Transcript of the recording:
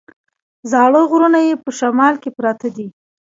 زاړه غرونه یې په شمال کې پراته دي.